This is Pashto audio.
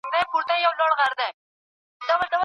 باطل تل د حق په وړاندي سر ټیټوی.